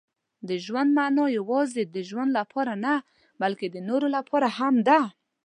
• د ژوند مانا یوازې د ځان لپاره نه، بلکې د نورو لپاره هم ده.